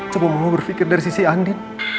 coba mau berpikir dari sisi andi